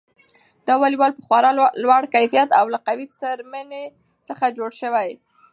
دا واليبال په خورا لوړ کیفیت او له قوي څرمنې څخه جوړ شوی.